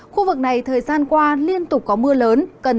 khu vực này thời gian qua liên tục có mưa lớn